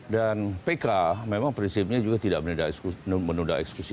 dan pk memang prinsipnya juga tidak menunda eksekusi